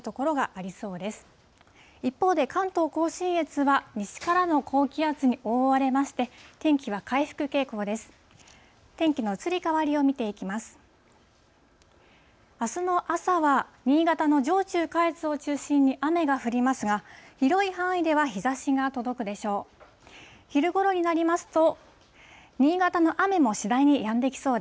あすの朝は、新潟の上中下越を中心に雨が降りますが、広い範囲では日ざしが届くでしょう。